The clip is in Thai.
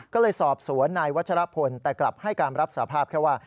ก็เลยสอบสวนนายวัชรพลแต่กลับให้การรับสภาพแค่ว่า